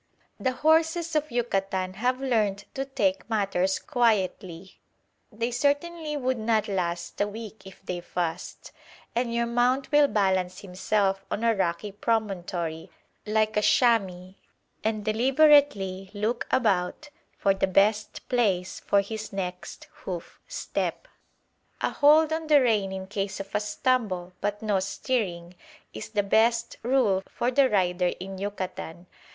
The horses of Yucatan have learnt to take matters quietly (they certainly would not last a week if they fussed), and your mount will balance himself on a rocky promontory, like a chamois, and deliberately look about for the best place for his next hoof step. A hold on the rein in case of a stumble, but no steering, is the best rule for the rider in Yucatan.